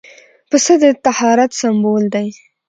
پسه د طهارت سمبول دی.